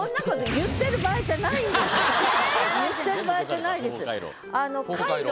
言ってる場合じゃないです。